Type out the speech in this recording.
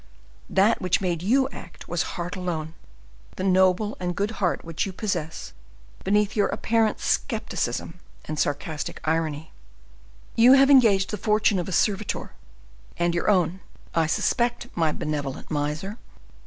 That which made you act was heart alone—the noble and good heart which you possess beneath your apparent skepticism and sarcastic irony; you have engaged the fortune of a servitor, and your own, I suspect, my benevolent miser!